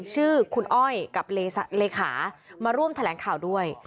ชื่อคุณอ้อยกับเลขามาร่วมแถลงข่าวด้วย